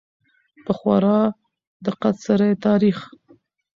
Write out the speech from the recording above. په خورا دقت سره يې تاريخ